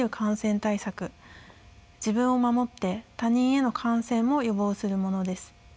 自分を守って他人への感染も予防するものです。